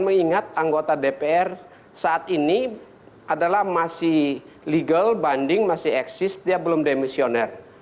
mengingat anggota dpr saat ini adalah masih legal banding masih eksis dia belum demisioner